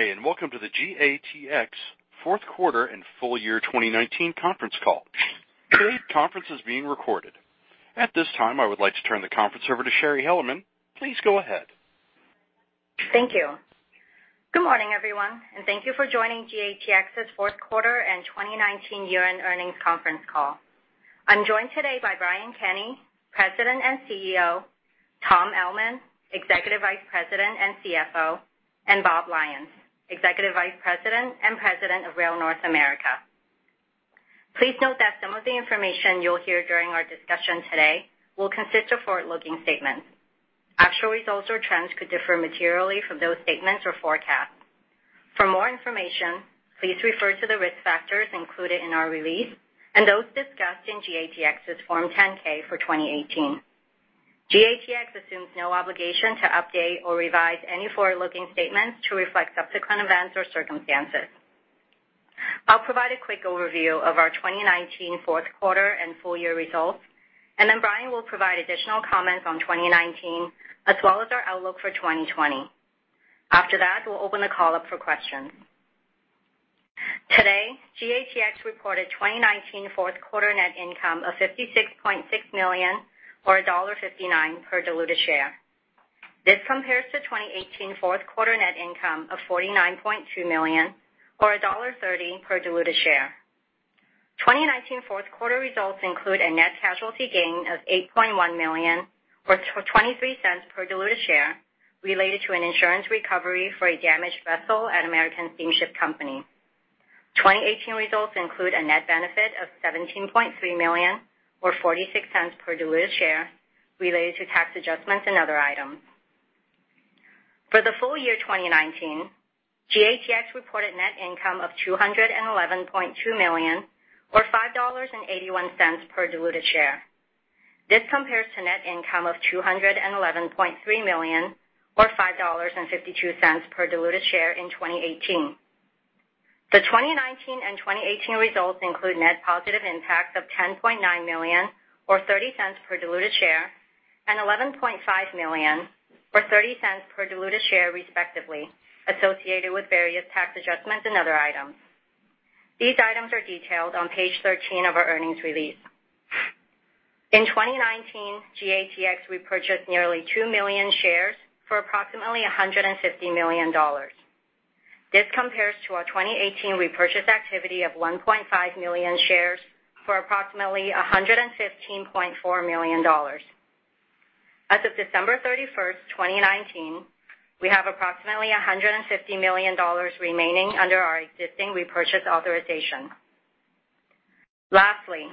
Good day, and welcome to the GATX Fourth Quarter and Full Year 2019 Conference Call. Today's conference is being recorded. At this time, I would like to turn the conference over to Shari Hellerman. Please go ahead. Thank you. Good morning, everyone, and thank you for joining GATX's Fourth Quarter and 2019 Year-End Earnings Conference Call. I'm joined today by Brian Kenney, President and Chief Executive Officer, Tom Ellman, Executive Vice President and Chief Financial Officer, and Bob Lyons, Executive Vice President and President, Rail North America. Please note that some of the information you'll hear during our discussion today will consist of forward-looking statements. Actual results or trends could differ materially from those statements or forecasts. For more information, please refer to the risk factors included in our release and those discussed in GATX's Form 10-K for 2018. GATX assumes no obligation to update or revise any forward-looking statements to reflect subsequent events or circumstances. I'll provide a quick overview of our 2019 fourth quarter and full year results, and then Brian will provide additional comments on 2019, as well as our outlook for 2020. After that, we'll open the call up for questions. Today, GATX reported 2019 fourth quarter net income of $56.6 million or $1.59 per diluted share. This compares to 2018 fourth quarter net income of $49.2 million or $1.30 per diluted share. 2019 fourth quarter results include a net casualty gain of $8.1 million or $0.23 per diluted share related to an insurance recovery for a damaged vessel at American Steamship Company. 2018 results include a net benefit of $17.3 million or $0.46 per diluted share related to tax adjustments and other items. For the full year 2019, GATX reported net income of $211.2 million or $5.81 per diluted share. This compares to net income of $211.3 million or $5.52 per diluted share in 2018. The 2019 and 2018 results include net positive impacts of $10.9 million or $0.30 per diluted share and $11.5 million or $0.30 per diluted share, respectively, associated with various tax adjustments and other items. These items are detailed on page 13 of our earnings release. In 2019, GATX repurchased nearly 2 million shares for approximately $150 million. This compares to our 2018 repurchase activity of 1.5 million shares for approximately $115.4 million. As of December 31st, 2019, we have approximately $150 million remaining under our existing repurchase authorization. Lastly,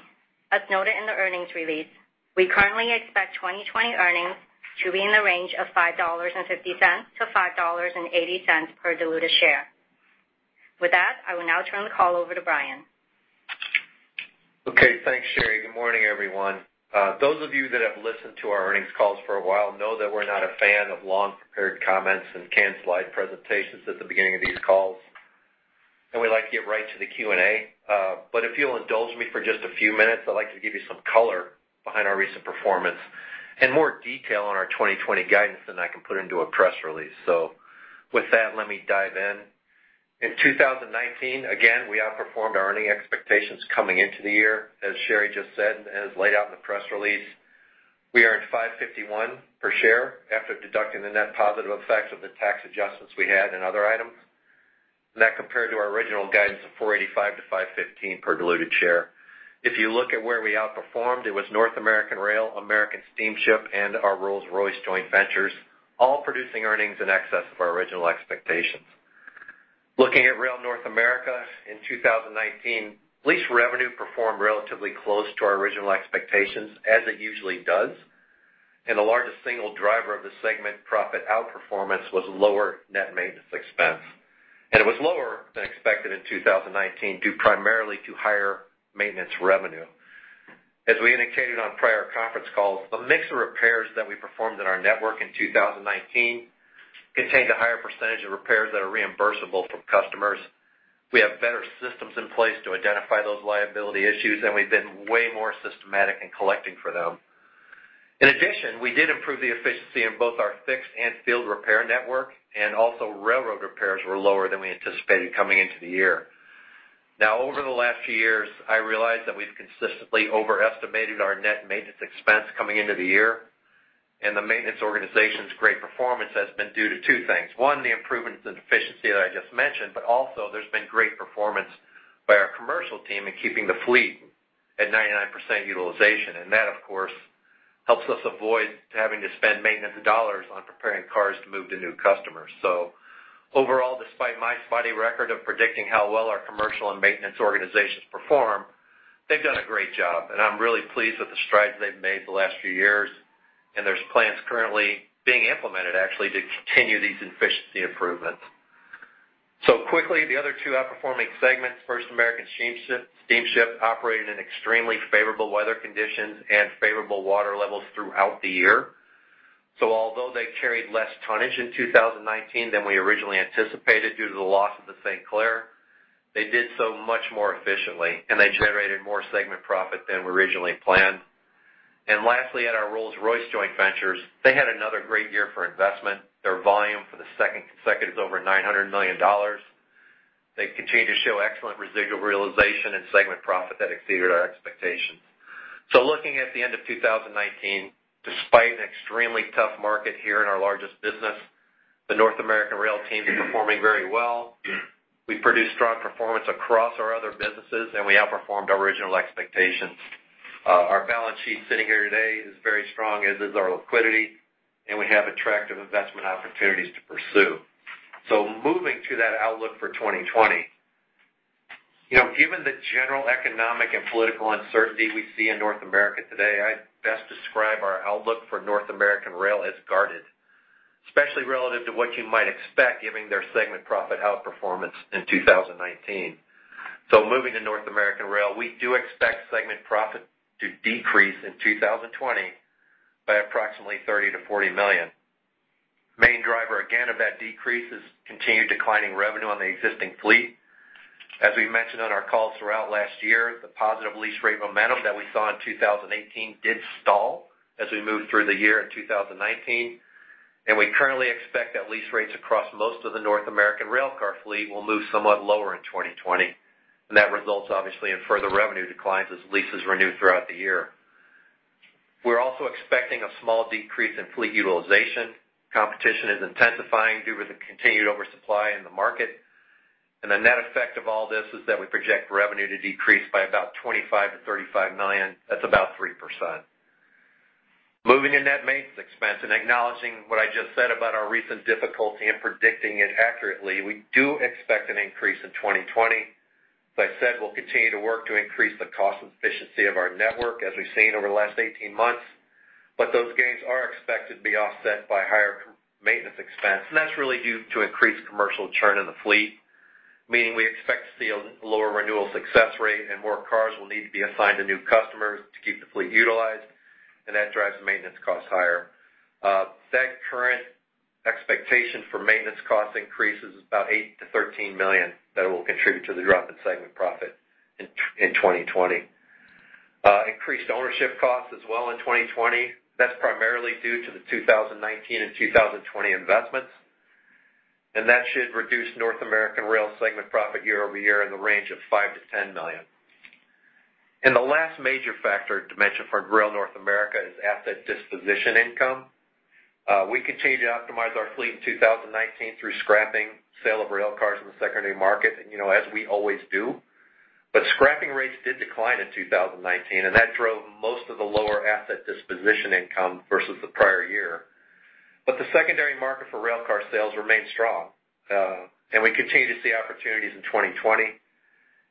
as noted in the earnings release, we currently expect 2020 earnings to be in the range of $5.50-$5.80 per diluted share. With that, I will now turn the call over to Brian. Okay. Thanks, Shari. Good morning, everyone. Those of you that have listened to our earnings calls for a while know that we're not a fan of long prepared comments and canned slide presentations at the beginning of these calls. We like to get right to the Q&A. If you'll indulge me for just a few minutes, I'd like to give you some color behind our recent performance and more detail on our 2020 guidance than I can put into a press release. With that, let me dive in. In 2019, again, we outperformed our earning expectations coming into the year. As Shari just said, and as laid out in the press release, we earned $5.51 per share after deducting the net positive effects of the tax adjustments we had and other items. That compared to our original guidance of $4.85-$5.15 per diluted share. If you look at where we outperformed, it was Rail North America, American Steamship, and our Rolls-Royce joint ventures, all producing earnings in excess of our original expectations. Looking at Rail North America in 2019, lease revenue performed relatively close to our original expectations, as it usually does. The largest single driver of the segment profit outperformance was lower net maintenance expense. It was lower than expected in 2019 due primarily to higher maintenance revenue. As we indicated on prior conference calls, the mix of repairs that we performed in our network in 2019 contained a higher percentage of repairs that are reimbursable from customers. We have better systems in place to identify those liability issues, and we've been way more systematic in collecting for them. In addition, we did improve the efficiency in both our fixed and field repair network, and also railroad repairs were lower than we anticipated coming into the year. Now, over the last few years, I realize that we've consistently overestimated our net maintenance expense coming into the year, and the maintenance organization's great performance has been due to two things. One, the improvements in efficiency that I just mentioned, but also there's been great performance by our commercial team in keeping the fleet at 99% utilization, and that, of course, helps us avoid having to spend maintenance dollars on preparing cars to move to new customers. Overall, despite my spotty record of predicting how well our commercial and maintenance organizations perform, they've done a great job, and I'm really pleased with the strides they've made the last few years, and there's plans currently being implemented actually to continue these efficiency improvements. Quickly, the other two outperforming segments, First American Steamship operated in extremely favorable weather conditions and favorable water levels throughout the year. Although they carried less tonnage in 2019 than we originally anticipated due to the loss of the St. Clair, they did so much more efficiently, and they generated more segment profit than we originally planned. Lastly, at our Rolls-Royce joint ventures, they had another great year for investment. Their volume for the second consecutive is over $900 million. They continue to show excellent residual realization and segment profit that exceeded our expectations. Looking at the end of 2019, despite an extremely tough market here in our largest business, the North American Rail team is performing very well. We produced strong performance across our other businesses, and we outperformed our original expectations. Our balance sheet sitting here today is very strong, as is our liquidity, and we have attractive investment opportunities to pursue. Moving to that outlook for 2020. Given the general economic and political uncertainty we see in North America today, I'd best describe our outlook for North American Rail as guarded, especially relative to what you might expect, given their segment profit outperformance in 2019. Moving to North American Rail, we do expect segment profit to decrease in 2020 by approximately $30 million-$40 million. Main driver, again, of that decrease is continued declining revenue on the existing fleet. As we mentioned on our calls throughout last year, the positive lease rate momentum that we saw in 2018 did stall as we moved through the year in 2019, and we currently expect that lease rates across most of the North American railcar fleet will move somewhat lower in 2020, and that results, obviously, in further revenue declines as leases renew throughout the year. We're also expecting a small decrease in fleet utilization. Competition is intensifying due to the continued oversupply in the market. The net effect of all this is that we project revenue to decrease by about $25 million-$35 million. That's about 3%. Moving to net maintenance expense and acknowledging what I just said about our recent difficulty in predicting it accurately, we do expect an increase in 2020. As I said, we'll continue to work to increase the cost efficiency of our network as we've seen over the last 18 months, but those gains are expected to be offset by higher maintenance expense. That's really due to increased commercial churn in the fleet, meaning we expect to see a lower renewal success rate and more cars will need to be assigned to new customers to keep the fleet utilized. That drives maintenance costs higher. That current expectation for maintenance cost increases is about $8 million-$13 million that will contribute to the drop in segment profit in 2020. Increased ownership costs as well in 2020. That's primarily due to the 2019 and 2020 investments, and that should reduce North American Rail segment profit year-over-year in the range of $5 million-$10 million. The last major factor to mention for Rail North America is asset disposition income. We continued to optimize our fleet in 2019 through scrapping, sale of railcars in the secondary market, as we always do. Scrapping rates did decline in 2019, and that drove most of the lower asset disposition income versus the prior year. The secondary market for railcar sales remained strong, and we continue to see opportunities in 2020.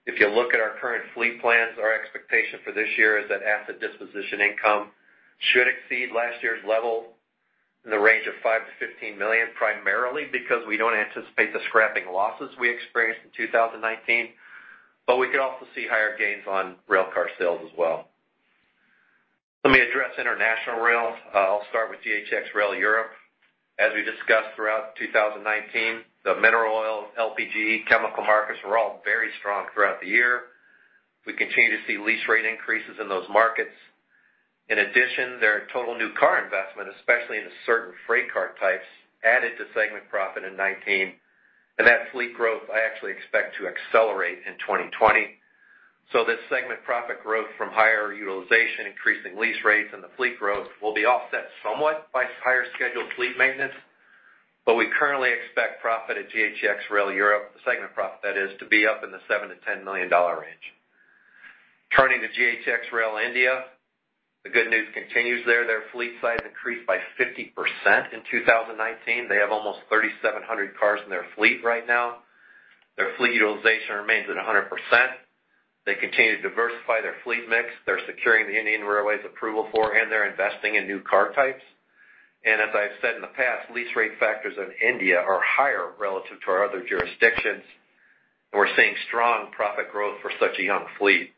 If you look at our current fleet plans, our expectation for this year is that asset disposition income should exceed last year's level in the range of $5 million-$15 million, primarily because we don't anticipate the scrapping losses we experienced in 2019, but we could also see higher gains on railcar sales as well. Let me address International Rail. I'll start with GATX Rail Europe. As we discussed throughout 2019, the mineral oil, LPG, chemical markets were all very strong throughout the year. We continue to see lease rate increases in those markets. In addition, their total new car investment, especially in the certain freight car types, added to segment profit in 2019, and that fleet growth I actually expect to accelerate in 2020. This segment profit growth from higher utilization, increasing lease rates, and the fleet growth will be offset somewhat by higher scheduled fleet maintenance. We currently expect profit at GATX Rail Europe, the segment profit that is, to be up in the $7 million-$10 million range. Turning to GATX Rail India, the good news continues there. Their fleet size increased by 50% in 2019. They have almost 3,700 cars in their fleet right now. Their fleet utilization remains at 100%. They continue to diversify their fleet mix. They're securing the Indian Railways approval for, and they're investing in new car types. As I've said in the past, lease rate factors in India are higher relative to our other jurisdictions, and we're seeing strong profit growth for such a young fleet.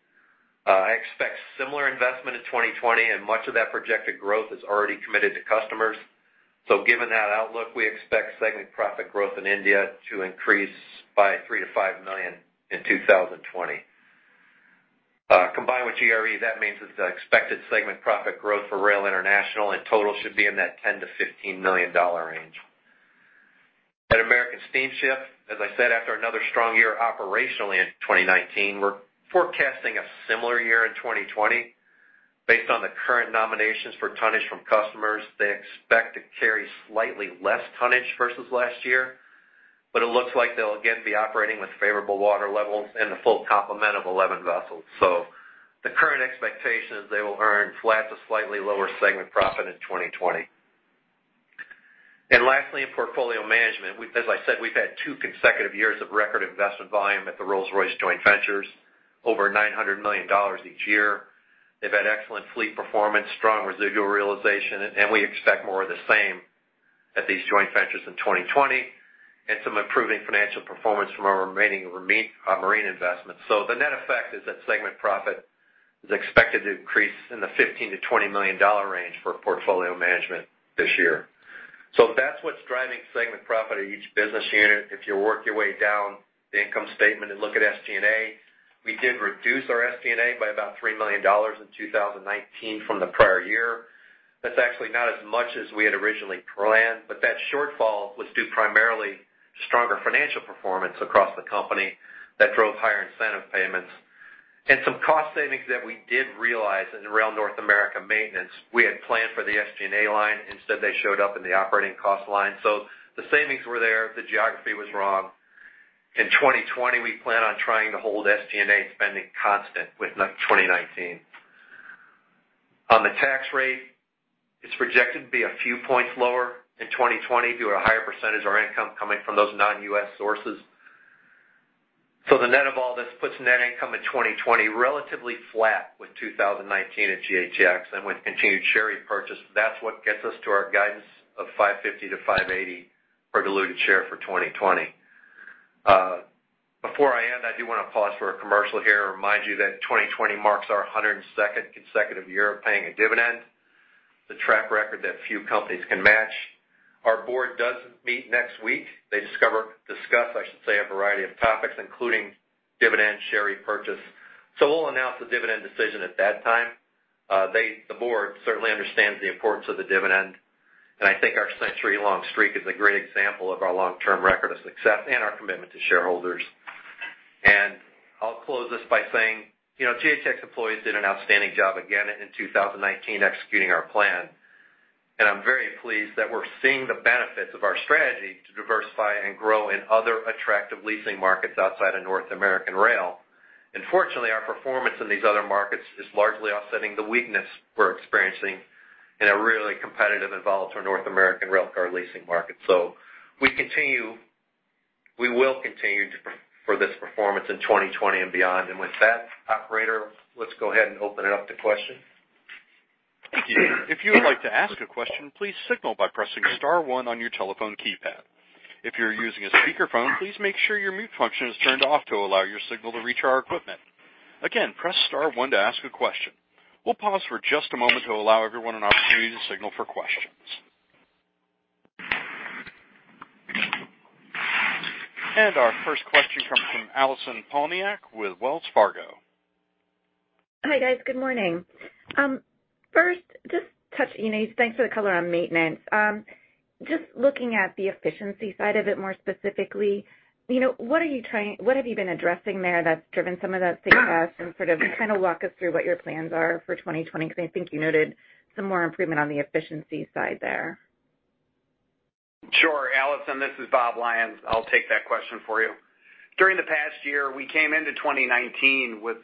I expect similar investment in 2020, and much of that projected growth is already committed to customers. Given that outlook, we expect segment profit growth in India to increase by $3 million to $5 million in 2020. Combined with GRE, that means that the expected segment profit growth for Rail International in total should be in that $10 million-$15 million range. At American Steamship, as I said, after another strong year operationally in 2019, we're forecasting a similar year in 2020. Based on the current nominations for tonnage from customers, they expect to carry slightly less tonnage versus last year. It looks like they'll again be operating with favorable water levels and a full complement of 11 vessels. The current expectation is they will earn flat to slightly lower segment profit in 2020. Lastly, in portfolio management, as I said, we've had two consecutive years of record investment volume at the Rolls-Royce joint ventures, over $900 million each year. They've had excellent fleet performance, strong residual realization. We expect more of the same at these joint ventures in 2020, some improving financial performance from our remaining marine investments. The net effect is that segment profit is expected to increase in the $15 million-$20 million range for portfolio management this year. That's what's driving segment profit of each business unit. If you work your way down the income statement and look at SG&A, we did reduce our SG&A by about $3 million in 2019 from the prior year. That's actually not as much as we had originally planned, that shortfall was due primarily stronger financial performance across the company that drove higher incentive payments and some cost savings that we did realize in Rail North America maintenance. We had planned for the SG&A line. Instead, they showed up in the operating cost line. The savings were there, the geography was wrong. In 2020, we plan on trying to hold SG&A spending constant with 2019. On the tax rate, it's projected to be a few points lower in 2020 due to a higher percentage of our income coming from those non-U.S. sources. The net of all this puts net income in 2020 relatively flat with 2019 at GATX and with continued share repurchase, that is what gets us to our guidance of $5.50-$5.80 per diluted share for 2020. Before I end, I do want to pause for a commercial here and remind you that 2020 marks our 102nd consecutive year of paying a dividend. It's a track record that few companies can match. Our board does meet next week. They discuss, I should say, a variety of topics, including dividend share repurchase. We will announce the dividend decision at that time. The board certainly understands the importance of the dividend, and I think our century-long streak is a great example of our long-term record of success and our commitment to shareholders. I'll close this by saying, GATX employees did an outstanding job again in 2019 executing our plan. I'm very pleased that we're seeing the benefits of our strategy to diversify and grow in other attractive leasing markets outside of North American Rail. Fortunately, our performance in these other markets is largely offsetting the weakness we're experiencing in a really competitive and volatile North American railcar leasing market. We will continue for this performance in 2020 and beyond. With that, operator, let's go ahead and open it up to questions. Thank you. If you would like to ask a question, please signal by pressing star one on your telephone keypad. If you're using a speakerphone, please make sure your mute function is turned off to allow your signal to reach our equipment. Again, press star one to ask a question. We'll pause for just a moment to allow everyone an opportunity to signal for questions. Our first question comes from Allison Poliniak with Wells Fargo. Hi, guys. Good morning. First, thanks for the color on maintenance. Just looking at the efficiency side of it more specifically, what have you been addressing there that's driven some of that success, and kind of walk us through what your plans are for 2020, because I think you noted some more improvement on the efficiency side there. Sure, Allison. This is Bob Lyons. I'll take that question for you. During the past year, we came into 2019 with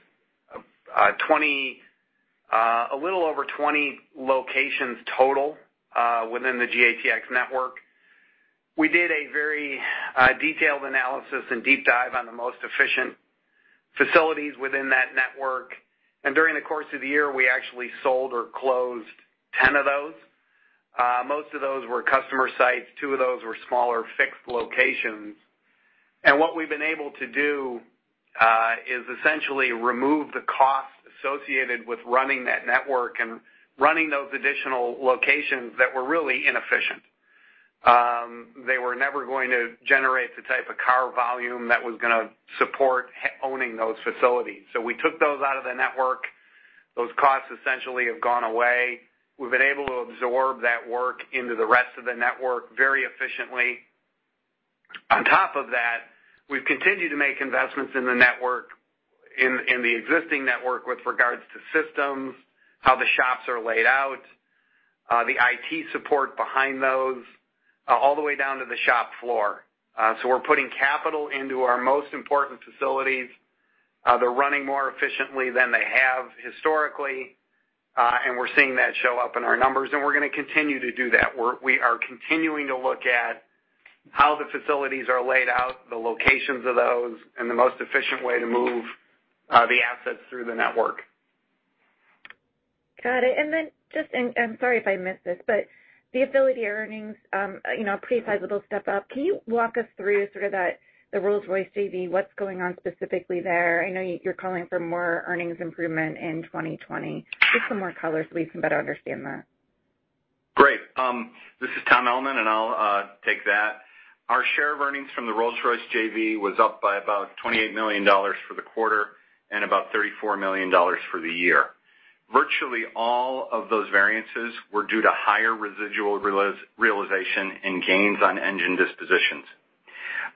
a little over 20 locations total within the GATX network. We did a very detailed analysis and deep dive on the most efficient facilities within that network, and during the course of the year, we actually sold or closed 10 of those. Most of those were customer sites. Two of those were smaller fixed locations. What we've been able to do is essentially remove the cost associated with running that network and running those additional locations that were really inefficient. They were never going to generate the type of car volume that was going to support owning those facilities. We took those out of the network. Those costs essentially have gone away. We've been able to absorb that work into the rest of the network very efficiently. On top of that, we've continued to make investments in the existing network with regards to systems, how the shops are laid out, the IT support behind those, all the way down to the shop floor. We're putting capital into our most important facilities. They're running more efficiently than they have historically, and we're seeing that show up in our numbers, and we're going to continue to do that work. We are continuing to look at how the facilities are laid out, the locations of those, and the most efficient way to move the assets through the network. Got it. I'm sorry if I missed this, but the equity earnings, a pretty sizable step up. Can you walk us through sort of the Rolls-Royce JV? What's going on specifically there? I know you're calling for more earnings improvement in 2020. Some more color so we can better understand that. Great. This is Tom Ellman, and I'll take that. Our share of earnings from the Rolls-Royce JV was up by about $28 million for the quarter and about $34 million for the year. Virtually all of those variances were due to higher residual realization and gains on engine dispositions.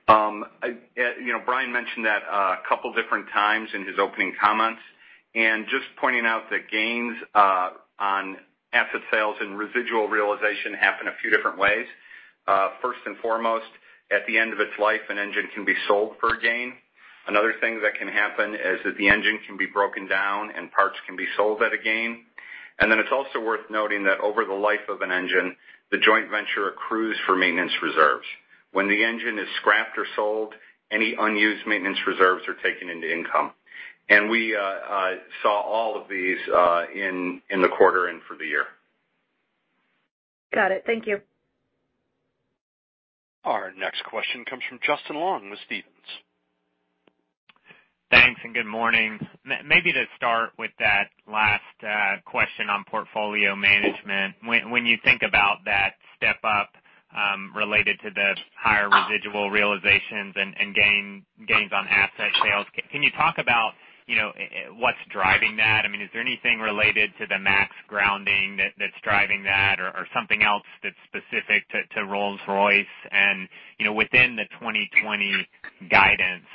Brian mentioned that a couple different times in his opening comments. Just pointing out that gains on asset sales and residual realization happen a few different ways. First and foremost, at the end of its life, an engine can be sold for a gain. Another thing that can happen is that the engine can be broken down and parts can be sold at a gain. Then it's also worth noting that over the life of an engine, the joint venture accrues for maintenance reserves. When the engine is scrapped or sold, any unused maintenance reserves are taken into income. We saw all of these in the quarter and for the year. Got it. Thank you. Our next question comes from Justin Long with Stephens. Thanks. Good morning. Maybe to start with that last question on portfolio management. When you think about that step up related to the higher residual realizations and gains on asset sales, can you talk about what's driving that? Is there anything related to the MAX grounding that's driving that or something else that's specific to Rolls-Royce? Within the 2020 guidance,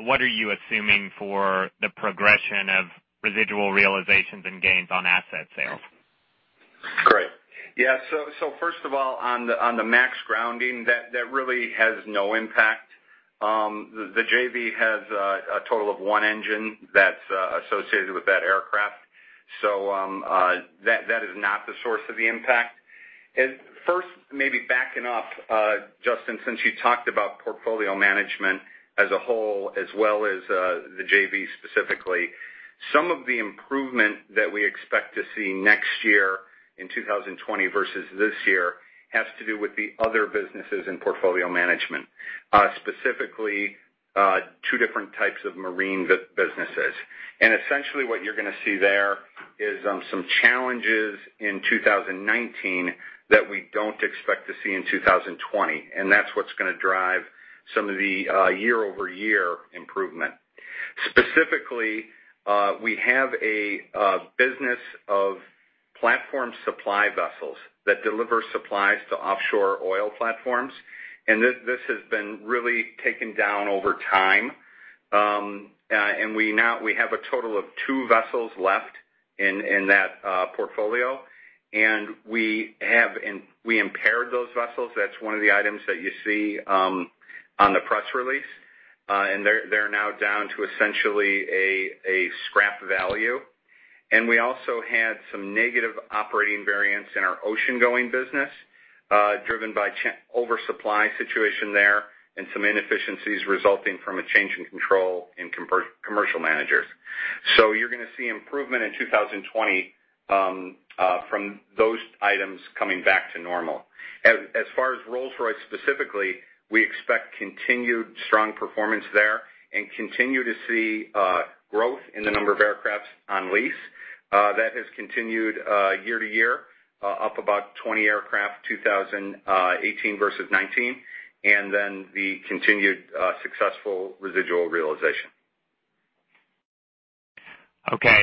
what are you assuming for the progression of residual realizations and gains on asset sales? Great. Yeah. First of all, on the MAX grounding, that really has no impact. The JV has a total of one engine that's associated with that aircraft, so that is not the source of the impact. First, maybe backing off, Justin, since you talked about portfolio management as a whole, as well as the JV specifically, some of the improvement that we expect to see next year in 2020 versus this year has to do with the other businesses in portfolio management, specifically two different types of marine businesses. Essentially what you're going to see there is some challenges in 2019 that we don't expect to see in 2020, and that's what's going to drive some of the year-over-year improvement. Specifically, we have a business of platform supply vessels that deliver supplies to offshore oil platforms, and this has been really taken down over time. We have a total of two vessels left in that portfolio, and we impaired those vessels. That's one of the items that you see on the press release. They're now down to essentially a scrap value. We also had some negative operating variance in our ocean-going business, driven by oversupply situation there and some inefficiencies resulting from a change in control in commercial managers. You're going to see improvement in 2020 from those items coming back to normal. As far as Rolls-Royce specifically, we expect continued strong performance there and continue to see growth in the number of aircrafts on lease. That has continued year-to-year, up about 20 aircraft, 2018 versus 2019, and then the continued successful residual realization. Okay.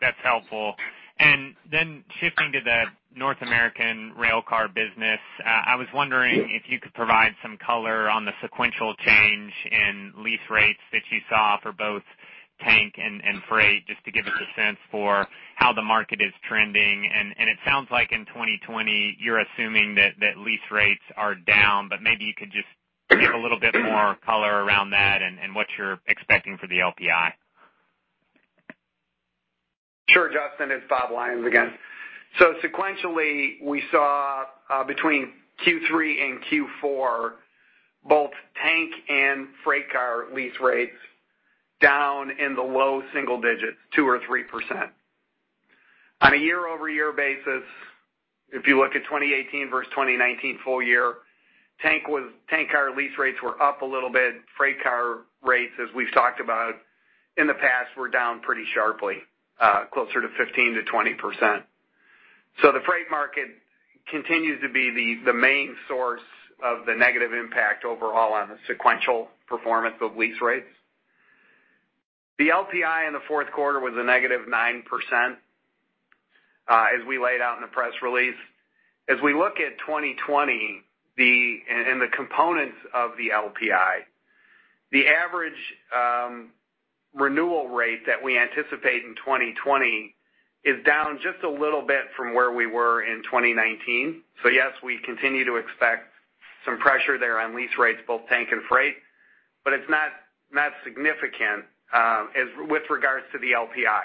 That's helpful. Then shifting to the North American railcar business, I was wondering if you could provide some color on the sequential change in lease rates that you saw for both tank and freight, just to give us a sense for how the market is trending. It sounds like in 2020, you're assuming that lease rates are down, but maybe you could just give a little bit more color around that and what you're expecting for the LPI. Sure, Justin. It's Bob Lyons again. Sequentially, we saw between Q3 and Q4, both tank and freight car lease rates down in the low single digits, 2% or 3%. On a year-over-year basis, if you look at 2018 versus 2019 full year, tank car lease rates were up a little bit. Freight car rates, as we've talked about in the past, were down pretty sharply, closer to 15%-20%. The freight market continues to be the main source of the negative impact overall on the sequential performance of lease rates. The LPI in the fourth quarter was a -9%, as we laid out in the press release. As we look at 2020 and the components of the LPI, the average renewal rate that we anticipate in 2020 is down just a little bit from where we were in 2019. Yes, we continue to expect some pressure there on lease rates, both tank and freight, but it's not significant with regards to the LPI.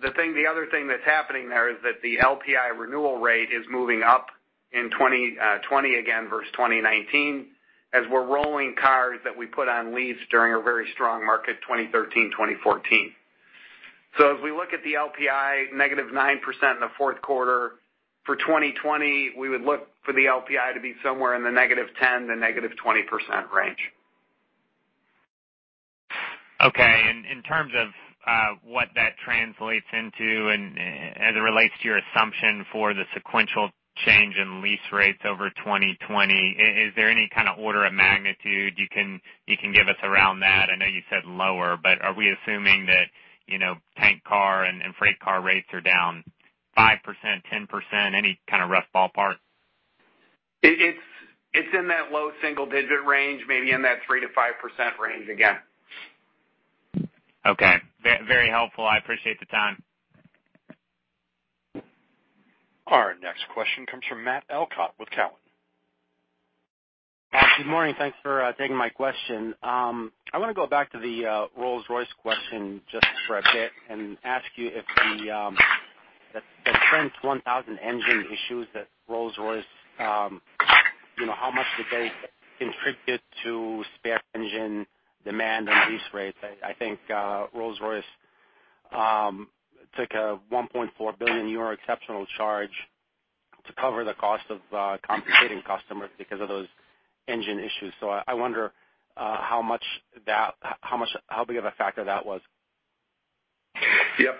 The other thing that's happening there is that the LPI renewal rate is moving up in 2020 again versus 2019, as we're rolling cars that we put on lease during a very strong market, 2013, 2014. As we look at the LPI -9% in the fourth quarter, for 2020, we would look for the LPI to be somewhere in the -10% to -20% range. Okay. In terms of what that translates into and as it relates to your assumption for the sequential change in lease rates over 2020, is there any kind of order of magnitude you can give us around that? I know you said lower, are we assuming that tank car and freight car rates are down 5%-10%? Any kind of rough ballpark? It's in that low single digit range, maybe in that 3%-5% range again. Okay. Very helpful. I appreciate the time. Our next question comes from Matt Elkott with Cowen. Good morning. Thanks for taking my question. I want to go back to the Rolls-Royce question just for a bit and ask you if the Trent 1000 engine issues at Rolls-Royce, how much did they contribute to spare engine demand and lease rates? I think Rolls-Royce took a 1.4 billion euro exceptional charge to cover the cost of compensating customers because of those engine issues. I wonder how big of a factor that was. Yep.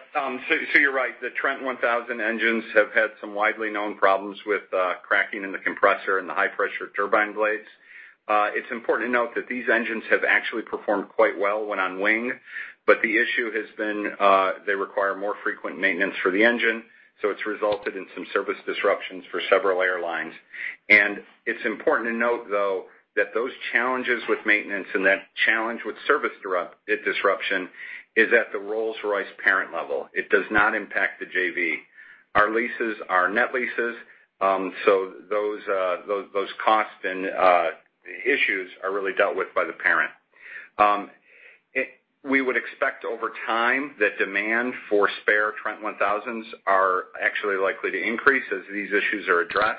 You're right. The Trent 1000 engines have had some widely known problems with cracking in the compressor and the high-pressure turbine blades. It's important to note that these engines have actually performed quite well when on wing, but the issue has been, they require more frequent maintenance for the engine, so it's resulted in some service disruptions for several airlines. It's important to note, though, that those challenges with maintenance and that challenge with service disruption is at the Rolls-Royce parent level. It does not impact the JV. Our leases are net leases, so those costs and issues are really dealt with by the parent. We would expect over time that demand for spare Trent 1000s are actually likely to increase as these issues are addressed.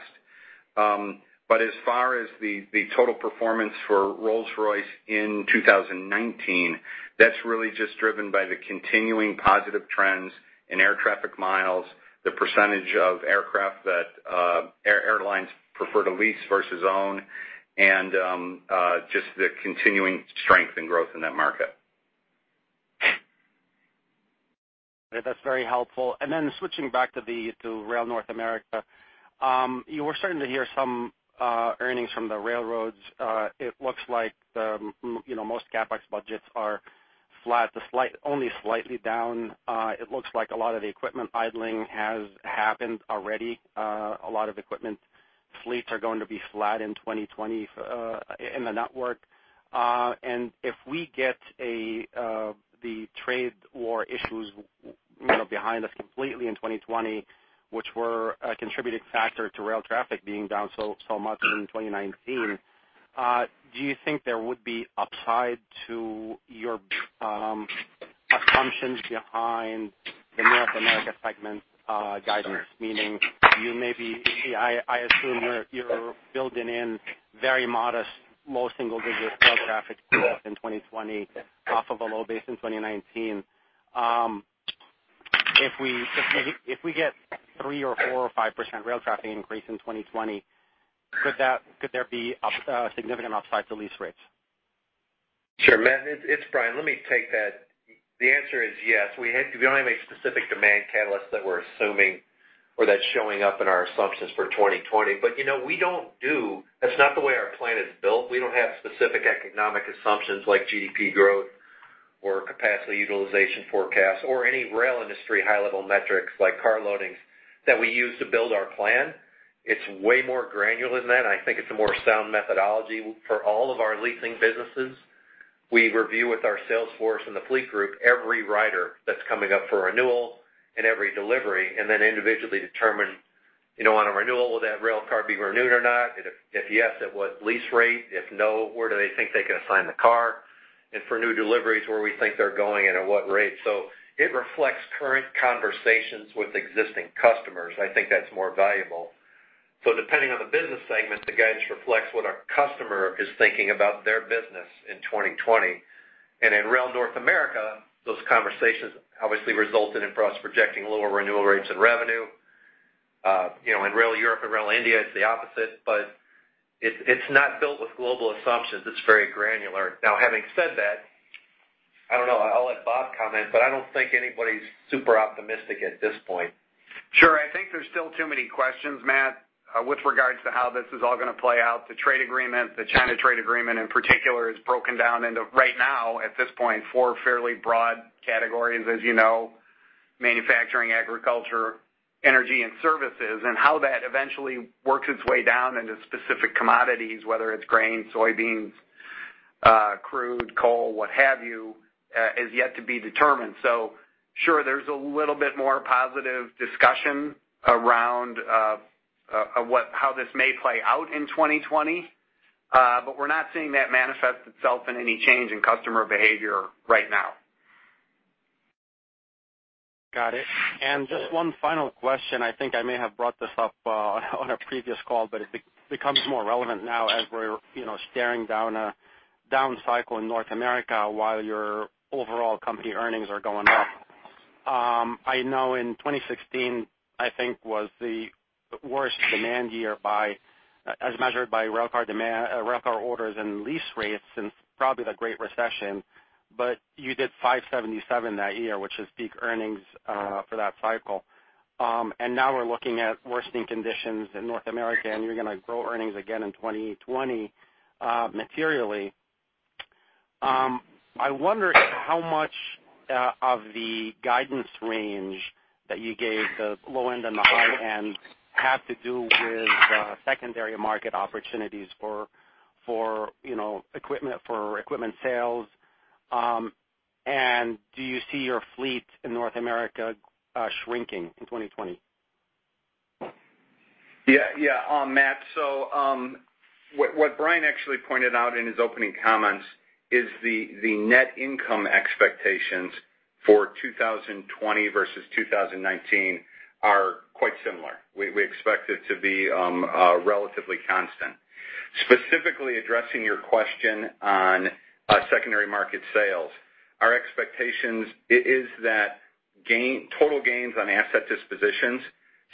As far as the total performance for Rolls-Royce in 2019, that's really just driven by the continuing positive trends in air traffic miles, the percentage of aircraft that airlines prefer to lease versus own, and just the continuing strength and growth in that market. That's very helpful. Then switching back to Rail North America, we're starting to hear some earnings from the railroads. It looks like most CapEx budgets are flat to only slightly down. It looks like a lot of the equipment idling has happened already. A lot of equipment fleets are going to be flat in 2020 in the network. If we get the trade war issues behind us completely in 2020, which were a contributing factor to rail traffic being down so much in 2019, do you think there would be upside to your assumptions behind the North America segment guidance? Meaning, I assume you're building in very modest, low single-digit rail traffic growth in 2020 off of a low base in 2019. If we get three or four or five% rail traffic increase in 2020, could there be a significant upside to lease rates? Sure, Matt, it's Brian. Let me take that. The answer is yes. We don't have any specific demand catalysts that we're assuming or that's showing up in our assumptions for 2020. That's not the way our plan is built. We don't have specific economic assumptions like GDP growth or capacity utilization forecasts or any rail industry high-level metrics like car loadings that we use to build our plan. It's way more granular than that, and I think it's a more sound methodology for all of our leasing businesses. We review with our sales force and the fleet group every rider that's coming up for renewal and every delivery, and then individually determine, on a renewal, will that railcar be renewed or not? If yes, at what lease rate? If no, where do they think they can assign the car? For new deliveries, where we think they're going and at what rate. It reflects current conversations with existing customers. I think that's more valuable. Depending on the business segment, the guidance reflects what our customer is thinking about their business in 2020. In Rail North America, those conversations obviously resulted in us projecting lower renewal rates and revenue. In Rail Europe and Rail India, it's the opposite. It's not built with global assumptions. It's very granular. Having said that, I don't know, I'll let Bob comment, but I don't think anybody's super optimistic at this point. Sure. I think there's still too many questions, Matt, with regards to how this is all going to play out. The trade agreements, the China trade agreement in particular, is broken down into, right now at this point, four fairly broad categories, as you know, manufacturing, agriculture, energy, and services. How that eventually works its way down into specific commodities, whether it's grain, soybeans, crude, coal, what have you, is yet to be determined. Sure, there's a little bit more positive discussion around how this may play out in 2020. We're not seeing that manifest itself in any change in customer behavior right now. Got it. Just one final question. I think I may have brought this up on a previous call, but it becomes more relevant now as we're staring down a down cycle in North America while your overall company earnings are going up. I know in 2016, I think, was the worst demand year as measured by railcar orders and lease rates since probably the Great Recession, you did $5.77 that year, which is peak earnings for that cycle. Now we're looking at worsening conditions in North America, you're going to grow earnings again in 2020 materially. I wonder how much of the guidance range that you gave, the low end and the high end, have to do with secondary market opportunities for railcar sales, do you see your fleet in North America shrinking in 2020? Yeah, Matt. What Brian actually pointed out in his opening comments is the net income expectations for 2020 versus 2019 are quite similar. We expect it to be relatively constant. Specifically addressing your question on secondary market sales. Our expectation is that total gains on asset dispositions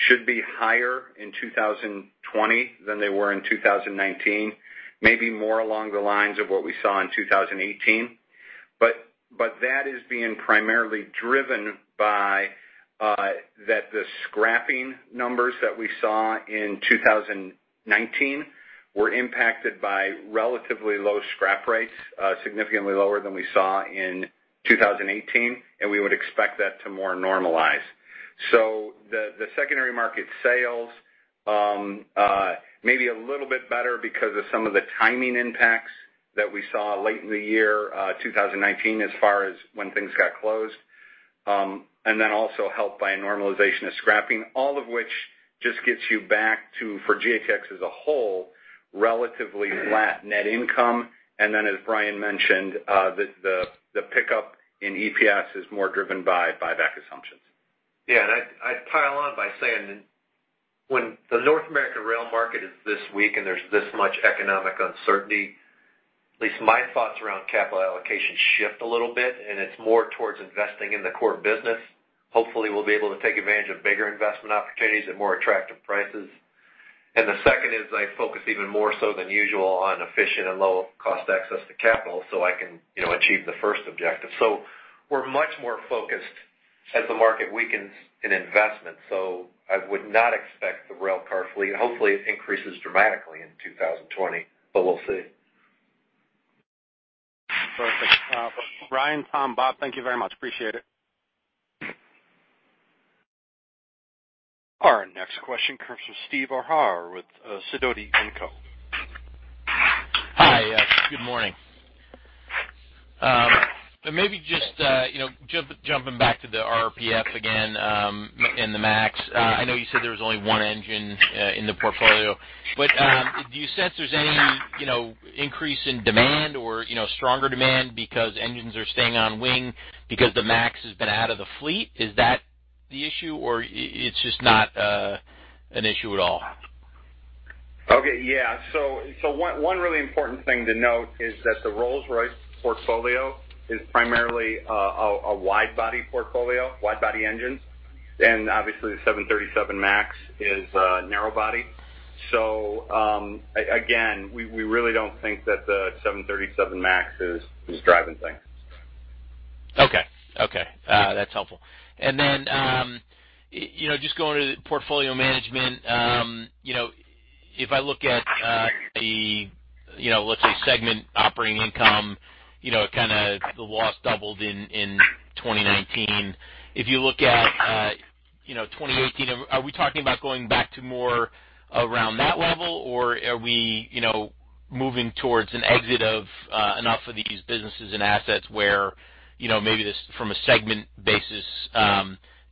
should be higher in 2020 than they were in 2019, maybe more along the lines of what we saw in 2018. That is being primarily driven by the scrapping numbers that we saw in 2019, were impacted by relatively low scrap rates, significantly lower than we saw in 2018, and we would expect that to more normalize. The secondary market sales, maybe a little bit better because of some of the timing impacts that we saw late in the year 2019, as far as when things got closed. Also helped by a normalization of scrapping, all of which just gets you back to, for GATX as a whole, relatively flat net income. As Brian mentioned, the pickup in EPS is more driven by buyback assumptions. I'd pile on by saying that when the North American rail market is this weak and there's this much economic uncertainty, at least my thoughts around capital allocation shift a little bit, and it's more towards investing in the core business. Hopefully, we'll be able to take advantage of bigger investment opportunities at more attractive prices. The second is I focus even more so than usual on efficient and low-cost access to capital so I can achieve the first objective. We're much more focused as the market weakens in investment. I would not expect the railcar fleet. Hopefully, it increases dramatically in 2020, but we'll see. Perfect. Brian, Tom, Bob, thank you very much. Appreciate it. Our next question comes from Steve O'Hara with Sidoti & Co. Hi. Good morning. Maybe just jumping back to the RRPF again, and the MAX. I know you said there was only one engine in the portfolio, but do you sense there's any increase in demand or stronger demand because engines are staying on wing because the MAX has been out of the fleet? Is that the issue, or it's just not an issue at all? Okay. Yeah. One really important thing to note is that the Rolls-Royce portfolio is primarily a wide body portfolio, wide body engines, and obviously the 737 MAX is narrow body. Again, we really don't think that the 737 MAX is driving things. Okay. That's helpful. Just going to portfolio management. If I look at, let's say, segment operating income, the loss doubled in 2019. If you look at 2018, are we talking about going back to more around that level, or are we moving towards an exit of enough of these businesses and assets where maybe from a segment basis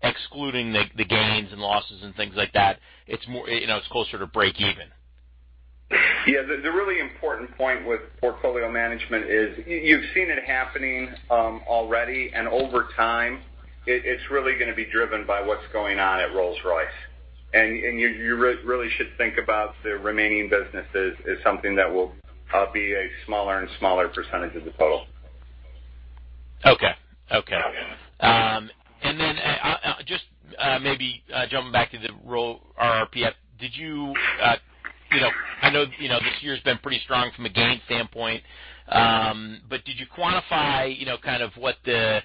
excluding the gains and losses and things like that, it's closer to breakeven? The really important point with portfolio management is you've seen it happening already, over time, it's really going to be driven by what's going on at Rolls-Royce. You really should think about the remaining business as something that will be a smaller and smaller percentage of the total. Okay. Then just maybe jumping back to the RRPF. I know this year's been pretty strong from a gains standpoint, but did you quantify kind of what the,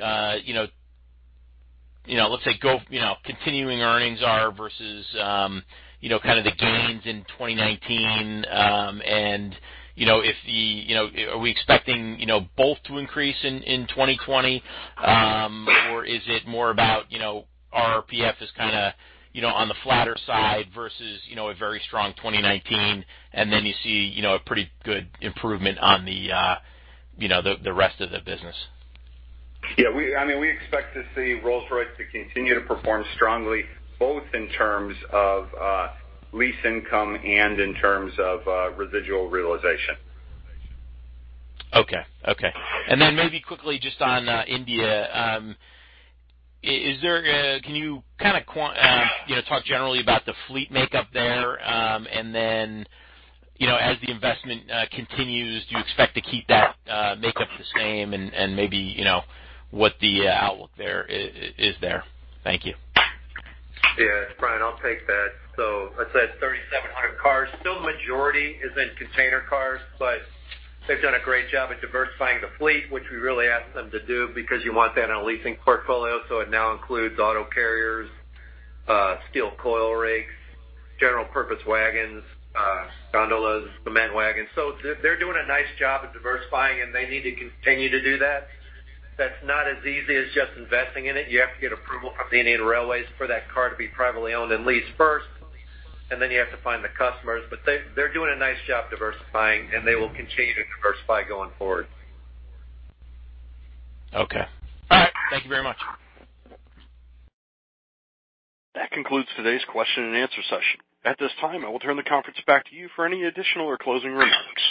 let's say, continuing earnings are versus kind of the gains in 2019? Are we expecting both to increase in 2020? Is it more about RRPF is kind of on the flatter side versus a very strong 2019, and then you see a pretty good improvement on the rest of the business? Yeah. We expect to see Rolls-Royce to continue to perform strongly, both in terms of lease income and in terms of residual realization. Okay. Maybe quickly, just on India. Can you kind of talk generally about the fleet makeup there, and then as the investment continues, do you expect to keep that makeup the same and maybe what the outlook is there? Thank you. Yeah. Brian, I'll take that. I said 3,700 cars, but they've done a great job at diversifying the fleet, which we really asked them to do because you want that in a leasing portfolio. It now includes auto carriers, steel coil rigs, general purpose wagons, gondolas, cement wagons. They're doing a nice job of diversifying, and they need to continue to do that. That's not as easy as just investing in it. You have to get approval from the Indian Railways for that car to be privately owned and leased first, and then you have to find the customers. They're doing a nice job diversifying, and they will continue to diversify going forward. Okay. All right. Thank you very much. That concludes today's question-and-answer session. At this time, I will turn the conference back to you for any additional or closing remarks.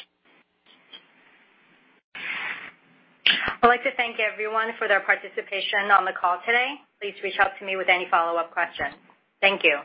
I'd like to thank everyone for their participation on the call today. Please reach out to me with any follow-up questions. Thank you.